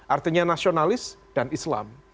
artinya nasionalis dan islam